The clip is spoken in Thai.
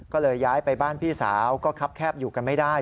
ก็เลยย้ายไปบ้านพี่สาวก็คับแคบอยู่กันไม่ได้